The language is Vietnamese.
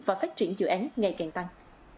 và phát triển dự án ngày càng tăng